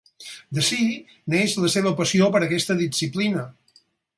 D'ací neix la seva passió per aquesta disciplina.